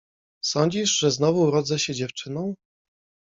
Sądzisz, że znowu urodzę się dziewczyną?